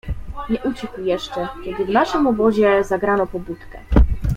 "Nie ucichł jeszcze, kiedy w naszym obozie zagrano pobudkę."